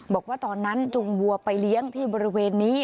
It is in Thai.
บอกว่าตอนนั้นจุงวัวไปเลี้ยงที่บริเวณนี้